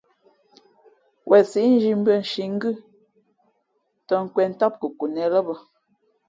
Wen síʼ nzhī mbʉ̄ᾱ nshǐ ngʉ́ tᾱ^nkwēn ntám kokonet lά bᾱ.